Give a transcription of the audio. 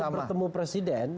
ketika bertemu presiden